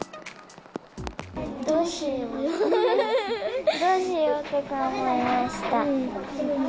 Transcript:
どうしよう、どうしようとか思いました。